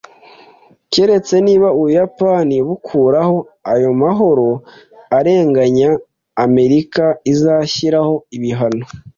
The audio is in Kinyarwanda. Keretse niba Ubuyapani bukuraho ayo mahoro arenganya, Amerika izashyiraho ibihano